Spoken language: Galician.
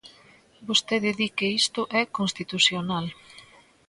Vostede di que isto é constitucional.